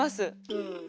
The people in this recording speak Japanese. うん。